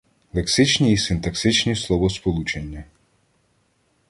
Лексичні і синтаксичні словосполучення